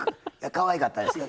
かわいかったですよ